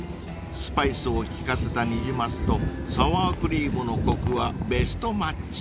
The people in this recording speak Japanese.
［スパイスをきかせたニジマスとサワークリームのコクはベストマッチ。